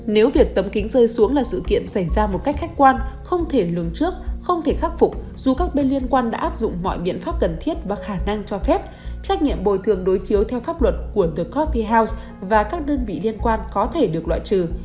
nếu việc tấm kính rơi xuống là sự kiện xảy ra một cách khách quan không thể lường trước không thể khắc phục dù các bên liên quan đã áp dụng mọi biện pháp cần thiết và khả năng cho phép trách nhiệm bồi thường đối chiếu theo pháp luật của the cophie house và các đơn vị liên quan có thể được loại trừ